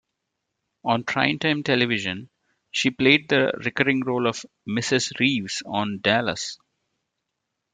On primetime television, she played the recurring role of Mrs. Reeves on "Dallas".